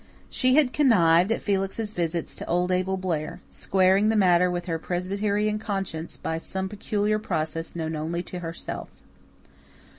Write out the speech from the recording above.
She had connived at Felix's visits to old Abel Blair, squaring the matter with her Presbyterian conscience by some peculiar process known only to herself.